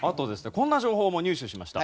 こんな情報も入手しました。